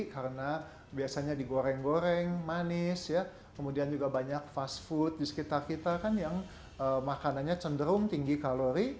karena biasanya digoreng goreng manis kemudian juga banyak fast food di sekitar kita kan yang makanannya cenderung tinggi kalori